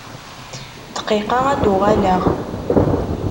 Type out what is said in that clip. Dqiqa ad d-uɣaleɣ.